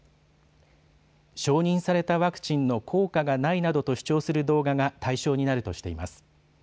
承認されたワクチンの効果がないなどと主張する動画が対象になるとしています。